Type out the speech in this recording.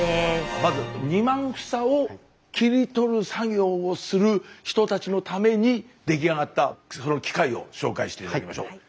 まず２万房を切り取る作業をする人たちのために出来上がったその機械を紹介して頂きましょう。